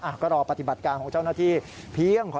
ก็รอปฏิบัติการของเจ้าหน้าที่เพียงพอ